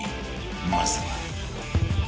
まずは